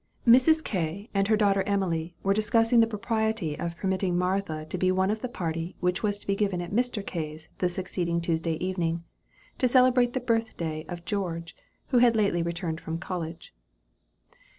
Mrs. K. and her daughter Emily were discussing the propriety of permitting Martha to be one of the party which was to be given at Mr. K.'s the succeeding Tuesday evening, to celebrate the birth day of George, who had lately returned from college.